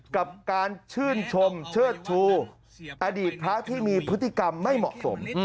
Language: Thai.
กับการชื่นชมเชิดชูอดีตพระที่มีพฤติกรรมไม่เหมาะสม